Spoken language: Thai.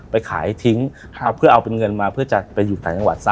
ไปขายทิ้งเพื่อเอาเป็นเงินมาเพื่อจะไปอยู่ต่างจังหวัดซะ